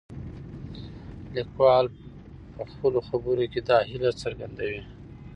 لیکوال په خپلو خبرو کې دا هیله څرګندوي.